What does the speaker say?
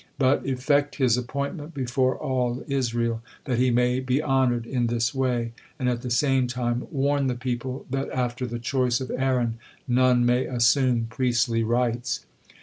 But effect his appointment before all Israel, that he may be honored in this way, and at the same time warn the people that after the choice of Aaron none may assume priestly rights.